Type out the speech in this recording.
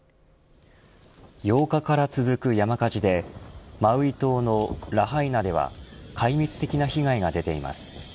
８日から続く山火事でマウイ島のラハイナでは壊滅的な被害が出ています。